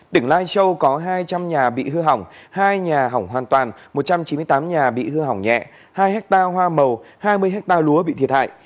tỉnh lai châu có hai trăm linh nhà bị hư hỏng hai nhà hỏng hoàn toàn một trăm chín mươi tám nhà bị hư hỏng nhẹ hai hectare hoa màu hai mươi hectare lúa bị thiệt hại